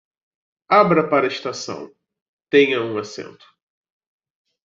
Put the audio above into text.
Abra para a estação, tenha um assento